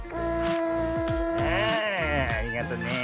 ああありがとね。